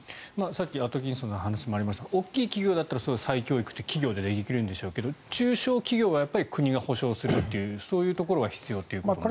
さっきアトキンソンさんの話にもありましたが大きい企業だったら再教育って企業でできるんでしょうけど中小企業は国が保障するというそういうところは必要ということですか。